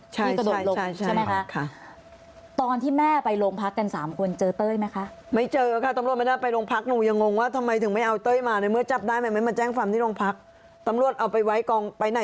ใช่ใช่ใช่ใช่ใช่ใช่ไหมคะค่ะ